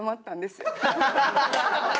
ハハハハ！